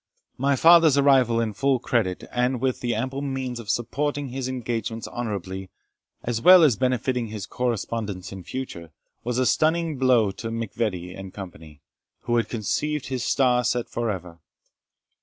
My father's arrival in full credit, and with the ample means of supporting his engagements honourably, as well as benefiting his correspondents in future, was a stunning blow to MacVittie and Company, who had conceived his star set for ever.